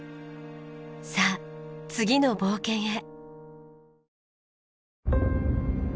さあ次の冒険へ。